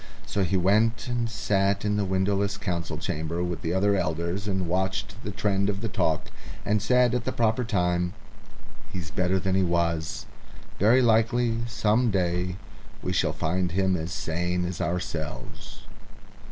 So he went and sat in the windowless council chamber with the other elders and watched the trend of the talk, and said, at the proper time, "He's better than he was. Very likely, some day, we shall find him as sane as ourselves."